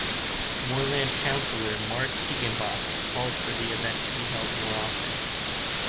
Moreland councillor Mark Higginbotham called for the event to be held more often.